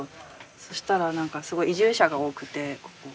そしたら何かすごい移住者が多くてここ。